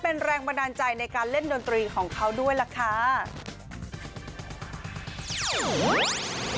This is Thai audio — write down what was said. เป็นแรงบันดาลใจในการเล่นดนตรีของเขาด้วยล่ะค่ะ